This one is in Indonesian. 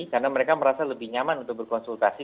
karena mereka merasa lebih nyaman untuk berkonsultasi